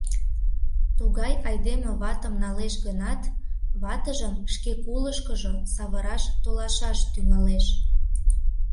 Тугай айдеме ватым налеш гынат, ватыжым шке кулышкыжо савыраш толашаш тӱҥалеш.